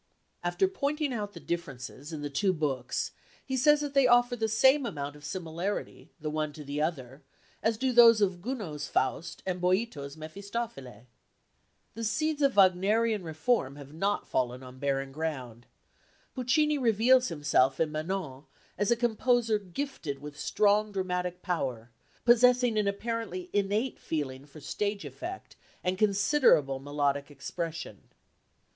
After pointing out the differences in the two books, he says that they offer the same amount of similarity the one to the other as do those of Gounod's Faust and Boïto's Mefistofele. "The seeds of Wagnerian reform have not fallen on barren ground. Puccini reveals himself in Manon as a composer gifted with strong dramatic power, possessing an apparently innate feeling for stage effect and considerable melodic expression.